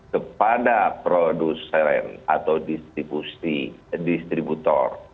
kepada produsen atau distributor